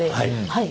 はい。